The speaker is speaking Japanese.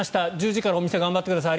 １０時からお店頑張ってください